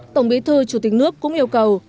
tổng bí thư chủ tịch nước cũng yêu cầu